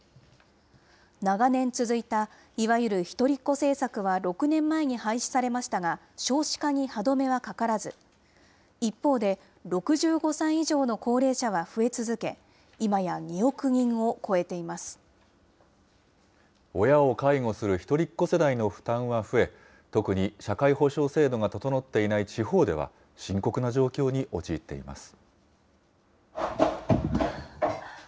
長年続いた、いわゆる一人っ子政策は６年前に廃止されましたが、少子化に歯止めはかからず、一方で、６５歳以上の高齢者は増え続け、親を介護する一人っ子世代の負担は増え、特に社会保障制度が整っていない地方では、深刻な状況に陥っています。